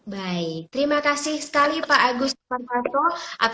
baik terima kasih sekali pak agus parto